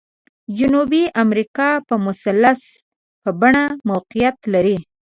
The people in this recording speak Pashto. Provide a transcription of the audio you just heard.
جنوبي امریکا په مثلث په بڼه موقعیت لري.